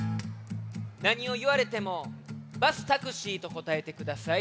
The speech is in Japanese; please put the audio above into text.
なにをいわれても「バスタクシー」とこたえてください。